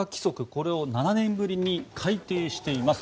これを７年ぶりに改定しています。